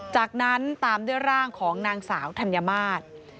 จากนั้นตามด้วยร่างของนางสาวธัญมาตร